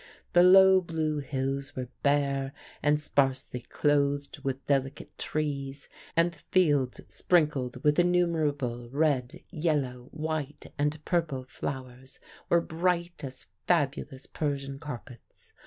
The low blue hills were bare and sparsely clothed with delicate trees, and the fields, sprinkled with innumerable red, yellow, white and purple flowers, were bright as fabulous Persian carpets.